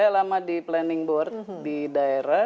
saya lama di planning board di daerah